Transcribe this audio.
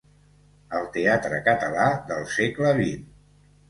El teatre català del segle vint.